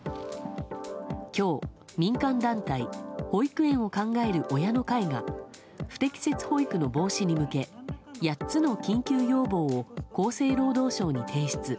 今日、民間団体保育園を考える親の会が不適切保育の防止に向け８つの緊急要望を厚生労働省に提出。